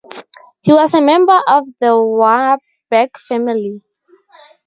He was a member of the Warburg family.